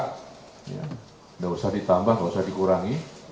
tidak usah ditambah nggak usah dikurangi